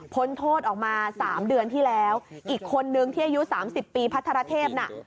พ้นโทษออกมาสามเดือนที่แล้วอีกคนนึงที่อายุสามสิบปีพัทรเทพน่ะ